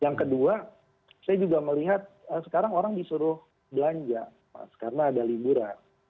yang kedua saya juga melihat sekarang orang disuruh belanja mas karena ada liburan